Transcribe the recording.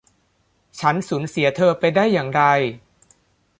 ฉันสูญเสียเธอไปได้อย่างไร